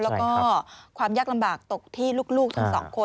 แล้วก็ความยากลำบากตกที่ลูกทั้งสองคน